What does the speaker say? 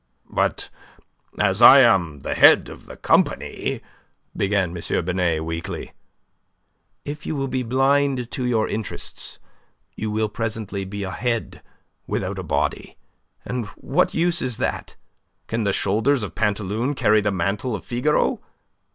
"But as I am the head of the company..." began M. Binet, weakly. "If you will be blind to your interests, you will presently be a head without a body. And what use is that? Can the shoulders of Pantaloon carry the mantle of Figaro?